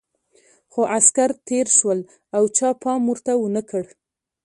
خو عسکر تېر شول او چا پام ورته ونه کړ.